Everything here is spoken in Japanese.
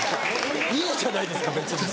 いいじゃないですか別に。